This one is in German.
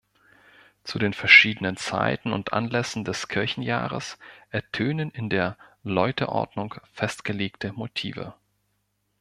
Zu den verschiedenen Zeiten und Anlässen des Kirchenjahres ertönen in der Läuteordnung festgelegte Motive.